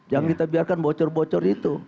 yang kita biarkan bocor bocor itu